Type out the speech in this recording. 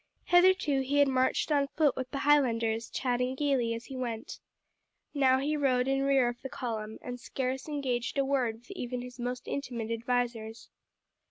Hitherto he had marched on foot with the Highlanders, chatting gaily as he went. Now he rode in rear of the column, and scarce exchanged a word with even his most intimate advisers.